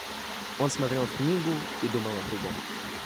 Он смотрел в книгу и думал о другом.